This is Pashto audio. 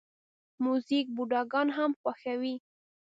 موزیک بوډاګان هم خوښوي.